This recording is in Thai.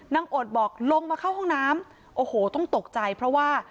อดบอกลงมาเข้าห้องน้ำโอ้โหต้องตกใจเพราะว่า